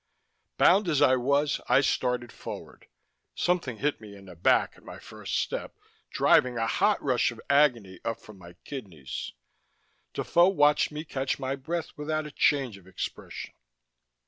Bound as I was, I started forward. Something hit me in the back at my first step, driving a hot rush of agony up from my kidneys. Defoe watched me catch my breath without a change of expression.